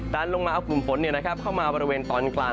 ดังนั้นลงมากลุ่มฝนเนี่ยนะครับเข้ามาบริเวณตอนกลาง